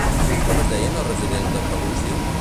Com es deien els residents de Pelúsion?